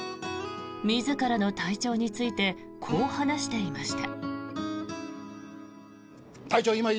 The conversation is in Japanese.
自らの体調についてこう話していました。